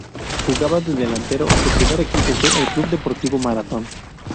Juega de delantero, su primer equipo fue el Club Deportivo Marathón.